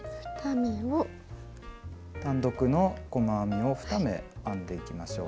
単独の細編みを２目編んでいきましょう。